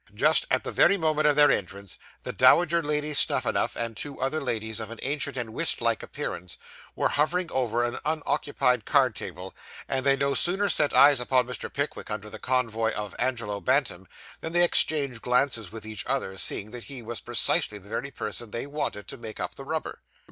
Just at the very moment of their entrance, the Dowager Lady Snuphanuph and two other ladies of an ancient and whist like appearance, were hovering over an unoccupied card table; and they no sooner set eyes upon Mr. Pickwick under the convoy of Angelo Bantam, than they exchanged glances with each other, seeing that he was precisely the very person they wanted, to make up the rubber.